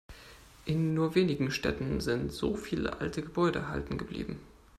In nur wenigen Städten sind so viele alte Gebäude erhalten geblieben.